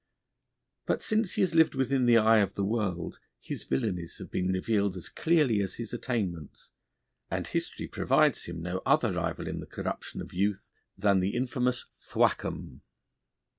But since he has lived within the eye of the world his villainies have been revealed as clearly as his attainments, and history provides him no other rival in the corruption of youth than the infamous Thwackum.